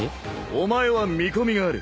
お前は見込みがある。